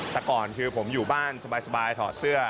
แต่ก่อนคือผมอยู่บ้านสบายถอดเสื้อ